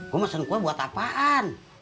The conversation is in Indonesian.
gue pesen gua buat apaan